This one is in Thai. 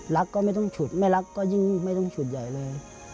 ก็ไม่ต้องฉุดไม่รักก็ยิ่งไม่ต้องฉุดใหญ่เลย